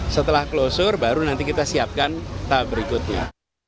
setelah klosure baru nanti kita siapkan tahap berikutnya